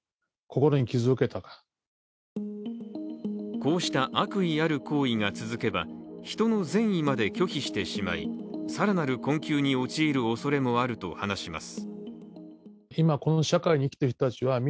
こうした悪意ある行為が続けば人の善意まで拒否してしまい、更なる困窮に陥るおそれもあると話します。